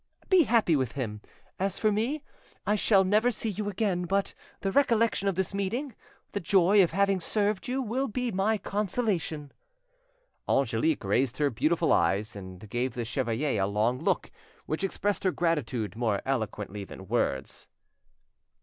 Be happy with him! As for me, I shall never see you again; but the recollection of this meeting, the joy of having served you, will be my consolation." Angelique raised her beautiful eyes, and gave the chevalier a long look which expressed her gratitude more eloquently than words.